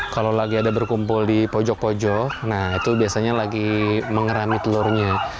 kalau lagi ada berkumpul di pojok pojok nah itu biasanya lagi mengerami telurnya